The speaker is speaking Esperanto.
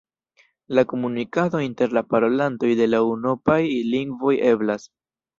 La komunikado inter la parolantoj de la unuopaj lingvoj eblas.